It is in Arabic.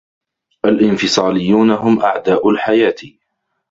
الإنفصاليون هم أعداء الحياة.